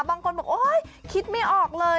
บางคนบอกโอ๊ยคิดไม่ออกเลย